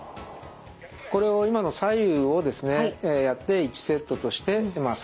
これを今の左右をですねやって１セットとして３回。